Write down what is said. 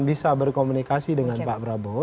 bisa berkomunikasi dengan pak prabowo